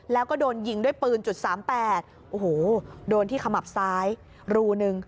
แล้วก็โดนยิงด้วยปืน๓๘โอ้โหวโดนที่ขมับซ้ายรูหนึ่ง